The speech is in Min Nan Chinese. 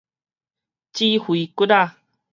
指揮骨仔